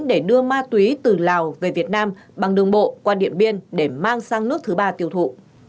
để đưa ma túy từ lào về việt nam bằng đường bộ qua điện biên để mang sang nước thứ ba tiêu thụ